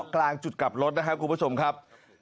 กลุ่มผู้ชมครับ